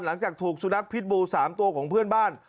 หลังจากถูกสุนัขพิษบู๓ตัวของเพื่อนบ้าน